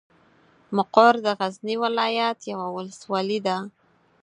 مقر د غزني ولايت یوه ولسوالۍ ده.